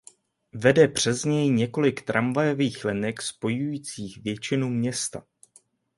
Vede přes něj několik tramvajových linek spojujících většinu města.